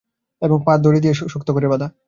এবং পা দড়ি দিয়ে শক্ত করে বাঁধা।